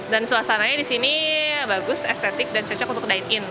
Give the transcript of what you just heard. dan suasananya di sini bagus estetik dan cocok untuk dine in